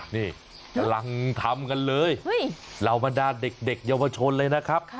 นี่กำลังทำกันเลยเหล่าบรรดาเด็กเยาวชนเลยนะครับ